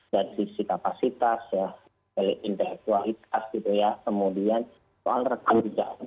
dari sisi kapasitas ya intelektualitas gitu ya kemudian soal rekam jejak